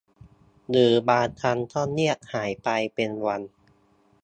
หรือบางครั้งก็เงียบหายไปเป็นวัน